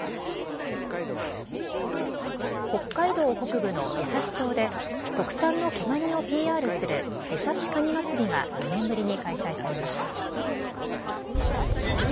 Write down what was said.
北海道北部の枝幸町で特産の毛がにをＰＲする枝幸かにまつりが４年ぶりに開催されました。